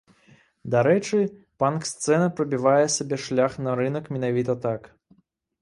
Дарэчы, панк сцэна прабівае сабе шлях на рынак менавіта так.